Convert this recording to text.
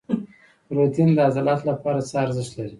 پروټین د عضلاتو لپاره څه ارزښت لري؟